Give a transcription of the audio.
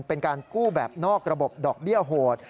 เป็นการกู้แบบนอกระบบดอกเบี้ยโหด